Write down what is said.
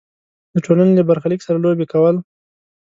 د ټولنې له برخلیک سره لوبې کول.